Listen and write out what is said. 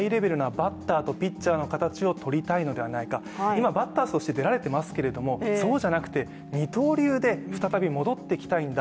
今、バッターとして出られていますけどそうじゃなくて二刀流で再び戻ってきたいんだ